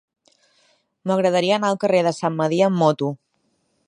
M'agradaria anar al carrer de Sant Medir amb moto.